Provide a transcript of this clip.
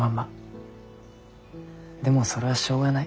でもそれはしょうがない。